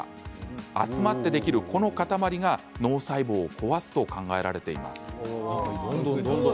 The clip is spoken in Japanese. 集まってできるこの塊が脳細胞を壊すと考えられています。